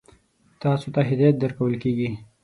تاسو ته هدایت درکول کېږي.